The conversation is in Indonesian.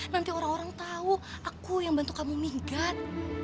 nanti orang orang tahu aku yang bantu kamu migat